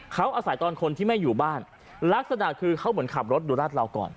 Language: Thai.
เขาอาศัยตอนคนที่ไม่อยู่บ้านลักษณะคือเขาเหมือนขับรถดูราดเราก่อน